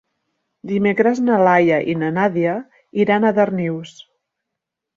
Dimecres na Laia i na Nàdia iran a Darnius.